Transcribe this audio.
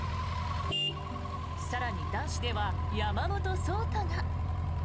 更に男子では山本草太が。